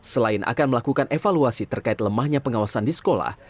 selain akan melakukan evaluasi terkait lemahnya pengawasan di sekolah